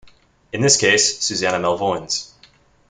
In this case Susannah Melvoin's.